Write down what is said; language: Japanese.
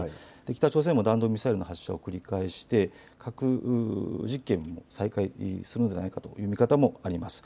北朝鮮も弾道ミサイルの発射を繰り返して核実験も再開するのではないかという見方もあります。